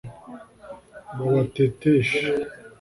babateteshe